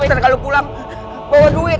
kita kalau pulang bawa duit